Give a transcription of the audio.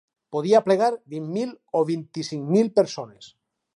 Podia aplegar vint mil o vint-i-cinc mil persones.